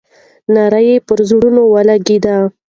ناره یې پر زړونو ولګېده.